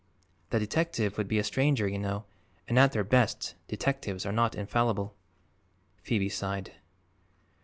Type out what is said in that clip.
The detective would be a stranger, you know, and at their best detectives are not infallible." Phoebe sighed.